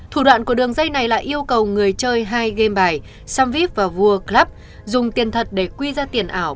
thủ đoạn của đường dây này là yêu cầu người chơi hai game bài samvip và world club dùng tiền thật để quy ra tiền ảo